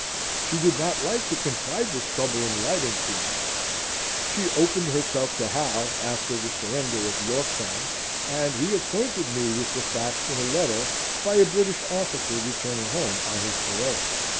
She did not like to confide this trouble in writing to me. She opened herself to Hal, after the surrender of York Town, and he acquainted me with the fact in a letter by a British officer returning home on his parole.